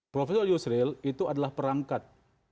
profesor yusril itu adalah perangkat